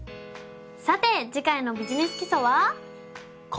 さて次回の「ビジネス基礎」は？